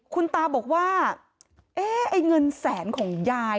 คุณตาบอกว่าเอ๊ะไอ้เงินแสนของยาย